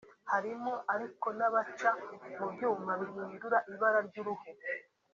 harimo ariko n’abaca mu byuma bihindura ibara ry’uruhu